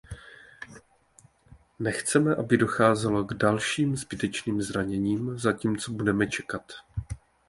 Nechceme, aby docházelo k dalším zbytečným zraněním, zatímco budeme čekat.